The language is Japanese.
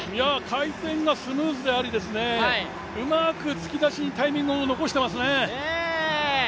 回転がスムーズであり、うまく突き出しにタイミングを残していますね。